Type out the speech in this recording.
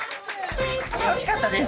楽しかったです。